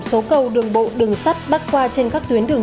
đường sắt bắt qua trên các tuyến đường sắt bắt qua trên các tuyến đường